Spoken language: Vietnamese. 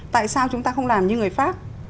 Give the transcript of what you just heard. tại sao chúng ta không làm như người pháp